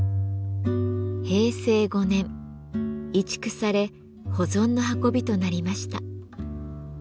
平成５年移築され保存の運びとなりました。